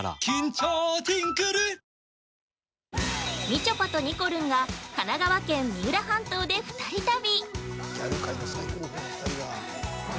◆みちょぱとにこるんが神奈川県三浦半島で２人旅！